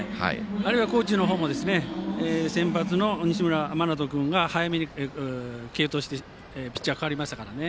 あるいは高知の方も先発の西村真人君が早めに継投してピッチャー代わりましたからね。